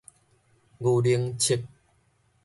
牛奶摵